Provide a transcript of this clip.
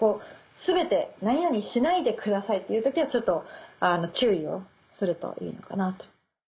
全て「何々しないでください」っていう時はちょっと注意をするといいのかなと。